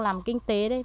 làm kinh tế đấy